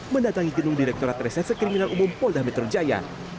mendatangi genung direkturat resese kriminal umum polda metro jaya